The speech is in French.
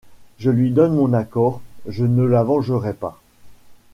Je lui donne mon accord : je ne la vengerai pas.